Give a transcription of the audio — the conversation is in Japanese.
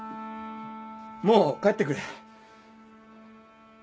もう帰ってくれ。